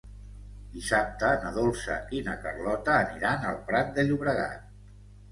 Dissabte na Dolça i na Carlota aniran al Prat de Llobregat.